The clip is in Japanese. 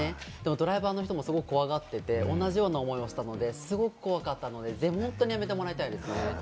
ドライバーの人もすごく怖がっていて、同じような思いをしたので、すごく怖かったので、本当にやめてもらいたいですね。